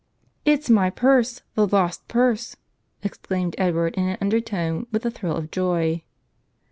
"It's my purse, the lost purse !" exclaimed Edward in an undertone, with a thrill of joy.